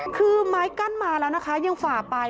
คือไม้กั้นมาแล้วนะคะยังฝ่าไป